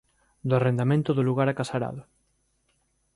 Do arrendamento do lugar acasarado